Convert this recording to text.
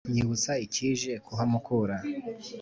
Nyibutsa icyije kuhamukura